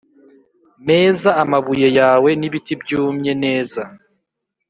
meza Amabuye yawe n’ibiti byumye neza